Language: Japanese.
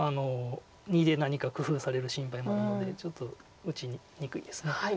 ②で何か工夫される心配もあるのでちょっと打ちにくいです。